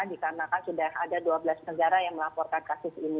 dikarenakan sudah ada dua belas negara yang melaporkan kasus ini